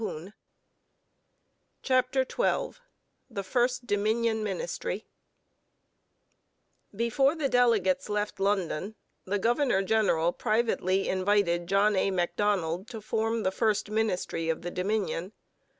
CHAPTER XII THE FIRST DOMINION MINISTRY Before the delegates left London the governor general privately invited John A. Macdonald to form the first ministry of the Dominion.